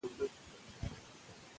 مور د ماشوم روغتيا ته پاملرنه کوي.